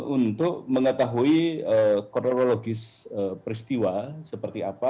untuk mengetahui kronologis peristiwa seperti apa